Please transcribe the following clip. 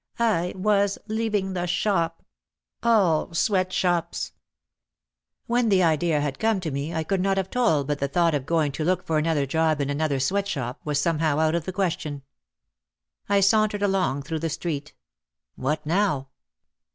I was leaving the shop! All sweatshops! When the idea had come to me I could not have told but the thought of going to look for a job in another sweat shop was somehow out of the question. I sauntered along through the street. What now?